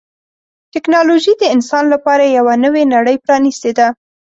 ټکنالوجي د انسان لپاره یوه نوې نړۍ پرانستې ده.